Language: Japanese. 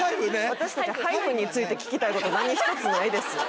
私達ハイフンについて聞きたいこと何一つないです